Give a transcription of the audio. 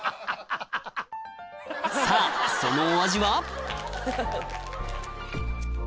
さぁそのお味は？